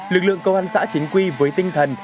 lực lượng công an xã chính quy với tinh thần